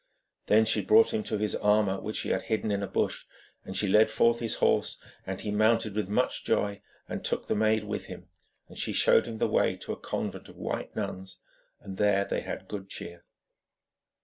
Then she brought him to his armour, which she had hidden in a bush, and she led forth his horse, and he mounted with much joy, and took the maid with him, and she showed him the way to a convent of white nuns, and there they had good cheer.